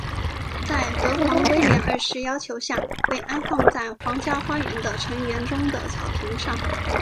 在德皇威廉二世要求下被安放在皇家花园的橙园中的草坪上。